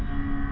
aku mau lihat